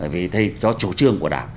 vì do chủ trương của đảng